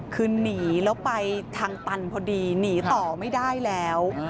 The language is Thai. คือหนีแล้วไปทางตันพอดีหนีต่อไม่ได้แล้ว